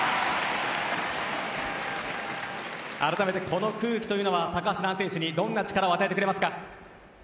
あらためてこの空気というのは高橋藍選手にどんな力を与えてくれますか？